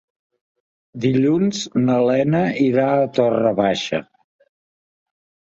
Dilluns na Lena irà a Torre Baixa.